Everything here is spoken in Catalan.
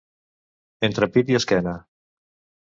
Entre pit i esquena.